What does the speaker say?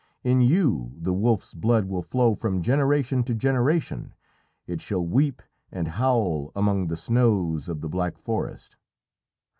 In you the wolf's blood will flow from generation to generation; it shall weep and howl among the snows of the Black Forest.